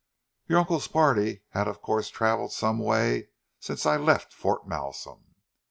"Your uncle's party had of course travelled some way since I left Fort Malsun?"